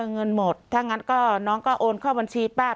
เงินหมดถ้างั้นก็น้องก็โอนเข้าบัญชีป้า